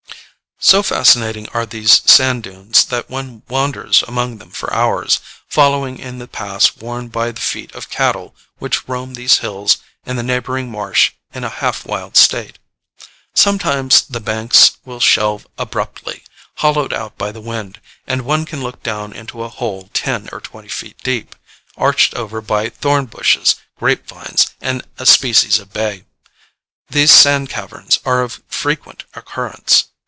So fascinating are these sand dunes that one wanders among them for hours, following in the paths worn by the feet of cattle which roam these hills and the neighboring marsh in a half wild state. Sometimes the banks will shelve abruptly, hollowed out by the wind, and one can look down into a hole ten or twenty feet deep, arched over by thorn bushes, grapevines and a species of bay. These sand caverns are of frequent occurrence.